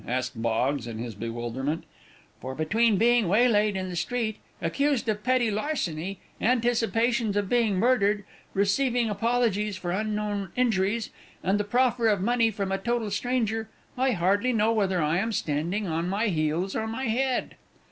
asked Boggs, in his bewilderment; "for between being waylaid in the street, accused of petty larceny, anticipations of being murdered, receiving apologies for unknown injuries, and the proffer of money from a total stranger, I hardly know whether I am standing on my heels or my head."